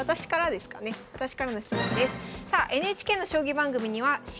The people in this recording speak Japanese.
私からの質問です。